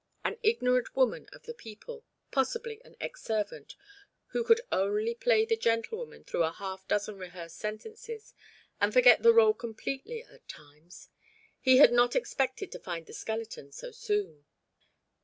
An ignorant woman of the people, possibly an ex servant, who could only play the gentlewoman through a half dozen rehearsed sentences, and forget the rôle completely at times! He had not expected to find the skeleton so soon.